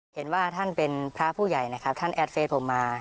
เห็นว่าท่านเป็นพระผู้ใหญ่นะครับท่านแอดเฟสผมมา